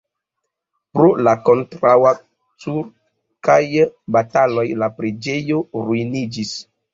Pro la kontraŭturkaj bataloj la preĝejo ruiniĝis.